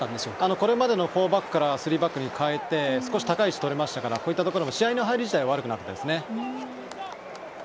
これまでの４バックから３バックに変えて少し高い位置を取れましたからこういったところも試合の始め自体は悪くなかったですね。